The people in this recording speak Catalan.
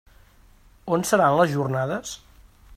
On seran les jornades?